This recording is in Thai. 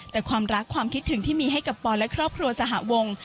แต่ความรักความคิดถึงที่มีให้กับปอนและครอบครัวสหวง